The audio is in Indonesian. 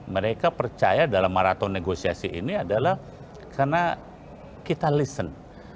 mereka percaya dalam maraton negosiasi ini adalah karena kita listen